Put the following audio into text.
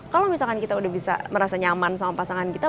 kalau misalkan kita udah bisa merasa nyaman sama pasangan kita